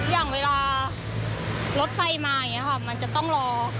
อย่างเวลารถไฟมาอย่างนี้ค่ะมันจะต้องรอ